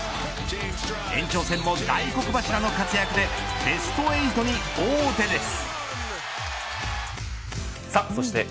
延長戦も大黒柱の活躍でベスト８に王手です。